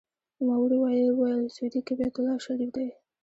نوموړي وویل: سعودي کې بیت الله شریف دی.